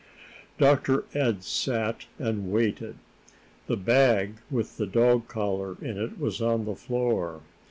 Dr. Ed sat and waited. The bag with the dog collar in it was on the floor.